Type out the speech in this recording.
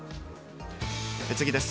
次です。